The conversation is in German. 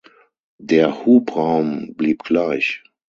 Der Hubraum blieb gleich.